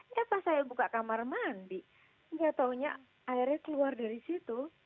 siapa saya buka kamar mandi nggak taunya airnya keluar dari situ